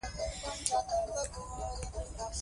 يو ملکري ملک سياف د بې کنټروله سوچونو